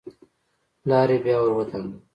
پلار يې بيا ور ودانګل.